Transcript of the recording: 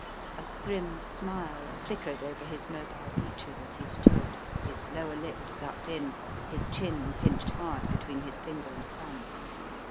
A grim smile flickered over his mobile features as he stood, his lower lip sucked in, his chin pinched hard between his finger and thumb.